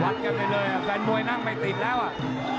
วัดกันไปเลยแวนโบ๊ยนั่งไปติดแล้วอ่ะ